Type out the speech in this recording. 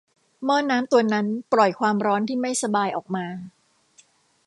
หม้อน้ำตัวนั้นปล่อยความร้อนที่ไม่สบายออกมา